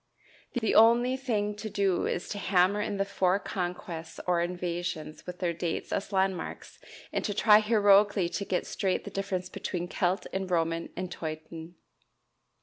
The only thing to do is to hammer in the four conquests or invasions with their dates as landmarks, and to try heroically to get straight the difference between Celt and Roman and Teuton.